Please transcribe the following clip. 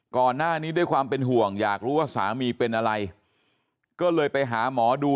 ก่อนหน้านี้ด้วยความเป็นห่วงอยากรู้ว่าสามีเป็นอะไรก็เลยไปหาหมอดู